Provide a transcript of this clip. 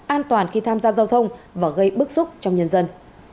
an toàn khi tham gia giao thông và gây bức xúc trong nhân dân